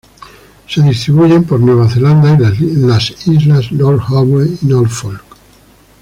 Se distribuyen por Nueva Zelanda y las islas Lord Howe y Norfolk.